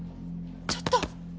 ちょっと。